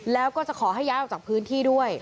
แล้วก็จะขอให้ย้ายออกจากพื้นที่ด้วย